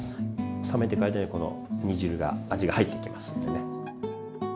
冷めてく間にこの煮汁が味が入っていきますんでね。